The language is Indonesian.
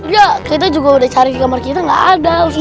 ya kita juga udah cari di kamar kita nggak ada